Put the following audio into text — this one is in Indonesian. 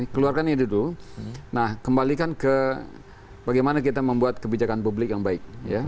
keluarkan itu dulu nah kembalikan ke bagaimana kita membuat kebijakan publik yang baik